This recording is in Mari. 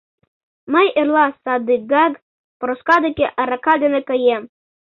Мый эрла садыгак Проска деке арака дене каем.